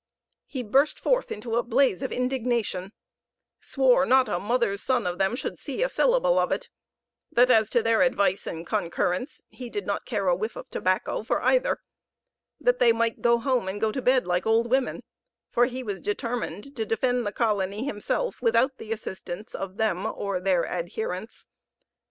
He burst forth into a blaze of indignation swore not a mother's son of them should see a syllable of it; that as to their advice or concurrence, he did not care a whiff of tobacco for either; that they might go home and go to bed like old women, for he was determined to defend the colony himself without the assistance of them or their adherents!